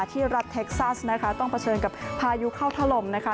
ที่รัฐเท็กซัสนะคะต้องเผชิญกับพายุเข้าถล่มนะคะ